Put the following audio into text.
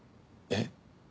えっ？